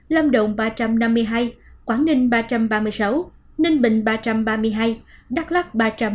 lâm động ba trăm năm mươi hai quảng ninh ba trăm ba mươi sáu ninh bình ba trăm ba mươi hai đắk lắc ba trăm một mươi ba